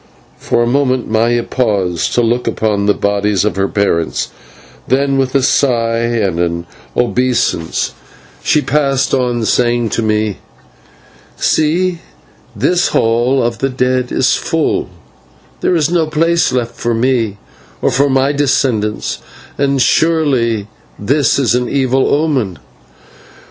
For a moment Maya paused to look upon the bodies of her parents, then with a sigh and an obeisance she passed on, saying to me, "See, this Hall of the Dead is full, there is no place left for me or for my descendants, and surely that is an evil omen.